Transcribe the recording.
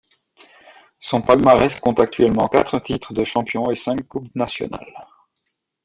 Son palmarès compte actuellement quatre titres de champions et cinq Coupes nationales.